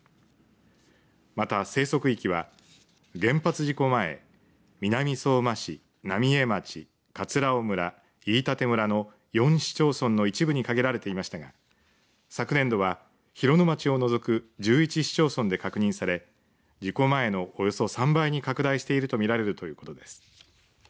また、生息域は原発事故前南相馬市、浪江町葛尾村、飯舘村の４市町村の一部に限られていましたが昨年度は広野町を除く１１市町村で確認され事故前のおよそ３倍に拡大しているとみられるということです。